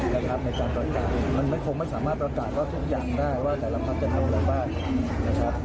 ในการประกาศมันคงไม่สามารถประกาศว่าทุกอย่างได้ว่าแต่ละพักจะทำอะไรบ้างนะครับ